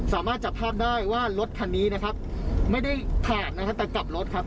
สามารถจับภาพได้ว่ารถคันนี้นะครับไม่ได้ผ่านนะครับแต่กลับรถครับ